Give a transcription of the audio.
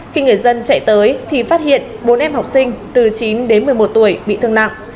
khi người dân chạy tới thì phát hiện bốn em học sinh từ chín đến một mươi một tuổi bị thương nặng